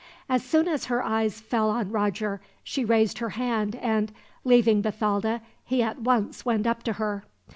As soon as her eyes fell on Roger she raised her hand and, leaving Bathalda, he at once went up to her.